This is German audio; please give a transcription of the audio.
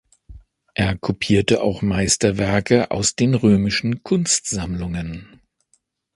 Er kopierte auch Meisterwerke aus den römischen Kunstsammlungen.